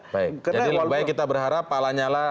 jadi lebih baik kita berharap pala nyala